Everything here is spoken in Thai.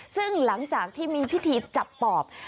ซึ่งหลังจากที่มีพิธีจับปอบ